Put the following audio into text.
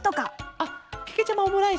あっけけちゃまオムライス？